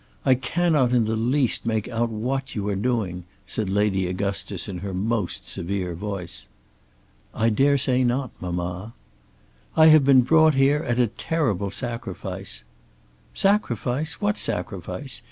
"I cannot in the least make out what you are doing," said Lady Augustus in her most severe voice. "I dare say not, mamma." "I have been brought here, at a terrible sacrifice " "Sacrifice! What sacrifice?